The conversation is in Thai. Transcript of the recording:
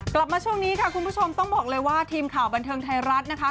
กลับมาช่วงนี้ค่ะคุณผู้ชมต้องบอกเลยว่าทีมข่าวบันเทิงไทยรัฐนะคะ